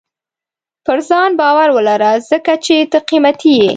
• پر ځان باور ولره، ځکه چې ته قیمتي یې.